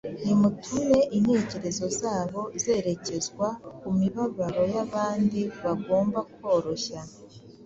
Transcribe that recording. Nimutume intekerezo zabo zerekezwa ku mibabaro y’abandi bagomba koroshya.